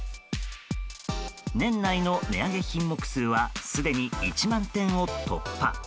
年内の値上げ品目数はすでに１万点を突破。